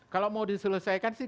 kalau mau diselesaikan sih